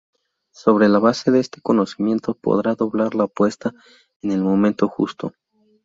Sobre la base de este conocimiento podrá doblar la apuesta en el momento justo.